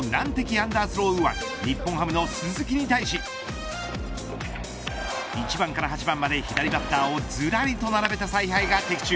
アンダースロー右腕日本ハムの鈴木に対し１番から８番まで左バッターをずらりと並べた采配が的中。